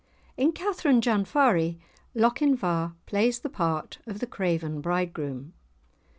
In "Katharine Janfarie" Lochinvar plays the part of the craven bridegroom.